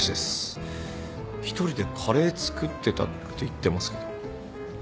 一人でカレー作ってたって言ってますけど。